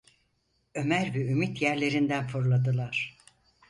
Ömer ve Ümit yerlerinden fırladılar.